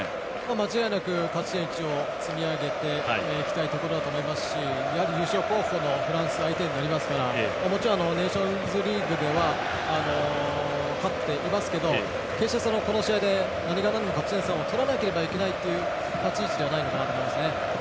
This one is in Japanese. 間違いなく勝ち点１を積み上げていきたいところですしやはり優勝候補のフランスが相手になりますからもちろんネーションズリーグでは勝っていますけど決してこの試合で何がなんでも勝ち点３を取らなければいけないという立ち位置ではないのかなと思いますね。